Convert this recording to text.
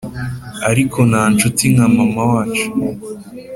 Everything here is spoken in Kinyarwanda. ariko nta nshuti nka mama wacu.